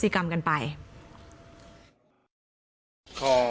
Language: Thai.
หนูจะให้เขาเซอร์ไพรส์ว่าหนูเก่ง